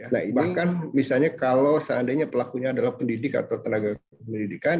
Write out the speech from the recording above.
nah bahkan misalnya kalau seandainya pelakunya adalah pendidik atau tenaga pendidikan